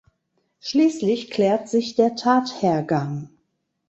Schließlich klärt sich der Tathergang.